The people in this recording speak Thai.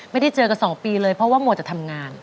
ไม่ได้เจอกัน๒ปีเลยเพราะว่ามัวจะทำงาน